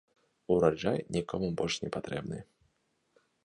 Ураджай нікому больш не патрэбны.